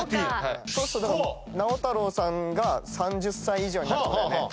そうすると直太朗さんが３０歳以上になるってことだよね。